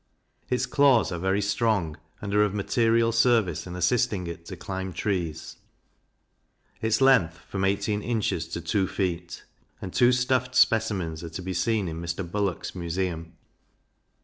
Its claws are very strong, and are of material service in assisting it to climb trees; its length from eighteen inches to two feet; and two stuffed specimens are to be seen in Mr. Bullock's Museum.